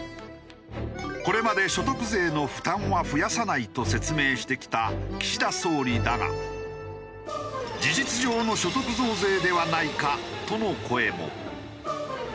これまで所得税の負担は増やさないと説明してきた岸田総理だが事実上の所得増税ではないか？との声も。